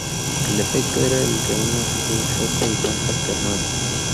El efecto era el de una luz roja y blanca alternada.